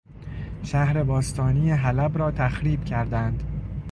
شهر باستانی حلب را تخریب کردند